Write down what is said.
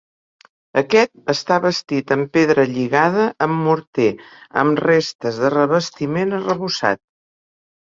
Aquest està bastit en pedra lligada amb morter, amb restes de revestiment arrebossat.